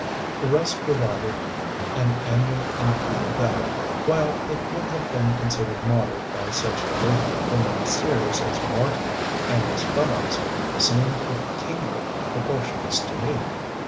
The rest provided an annual income that, while it would have been considered moderate by such great financiers as Marten and his fellows, seemed of kingly proportions to me.